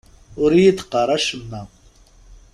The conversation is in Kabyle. Ur yi-d-qqar acemma.